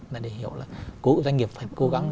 là để hiểu là doanh nghiệp phải cố gắng